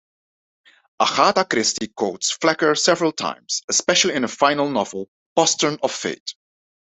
Agatha Christie quotes Flecker several times, especially in her final novel, "Postern of Fate".